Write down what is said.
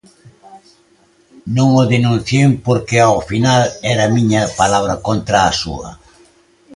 Non o denunciei porque ao final era a miña palabra contra a súa.